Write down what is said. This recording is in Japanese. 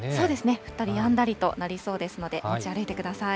降ったりやんだりとなりそうですので、持ち歩いてください。